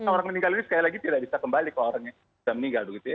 orang meninggal ini sekali lagi tidak bisa kembali kalau orang yang meninggal